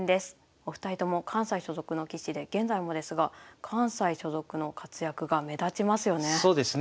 お二人とも関西所属の棋士で現在もですが関西所属の活躍が目立ちますよね。